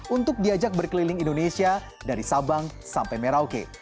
untuk diajak berkeliling indonesia dari sabang sampai merauke